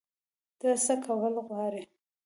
ته څه کول غواړې؟